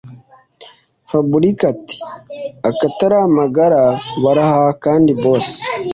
fabric ati”akataramagara barahaha kandi boss